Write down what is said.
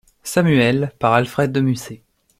Samuel, par Alfred de Musset.